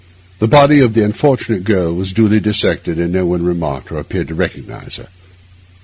The body of the unfortunate girl was duly dissected, and no one remarked or appeared to recognise her.